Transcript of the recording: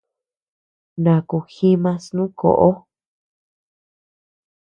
Naakuu jiima snu koʼo.